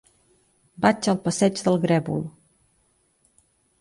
Vaig al passeig del Grèvol.